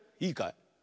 いいかい？